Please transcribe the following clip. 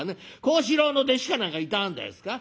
幸四郎の弟子か何かいたんですか？」。